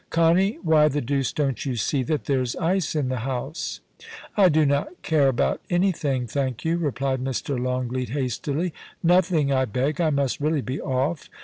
Connie, why the deuce don't you see that there's ice in the house ?* *I do not care about anything, thank you,' replied Mr. Longleat, hastily. * Nothing, I beg. I must really be off.